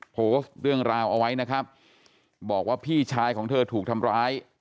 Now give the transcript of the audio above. โพสต์เรื่องราวเอาไว้นะครับบอกว่าพี่ชายของเธอถูกทำร้าย